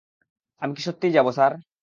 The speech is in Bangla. আমি কী সত্যিই যাব, স্যার?